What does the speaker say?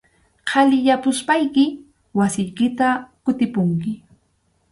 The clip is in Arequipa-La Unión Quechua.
Qhaliyapuspayki wasiykita kutipunki.